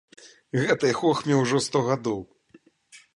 Гэтай хохме ўжо сто гадоў.